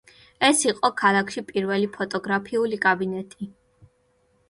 ეს იყო ქალაქში პირველი ფოტოგრაფიული კაბინეტი.